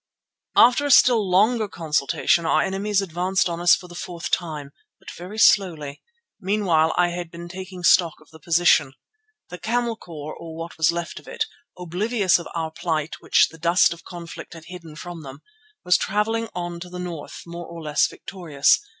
After a still longer consultation our enemies advanced on us for the fourth time, but very slowly. Meanwhile I had been taking stock of the position. The camel corps, or what was left of it, oblivious of our plight which the dust of conflict had hidden from them, was travelling on to the north, more or less victorious.